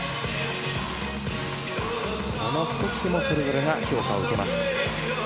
このステップもそれぞれが評価を受けます。